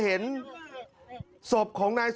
สมสักท่าน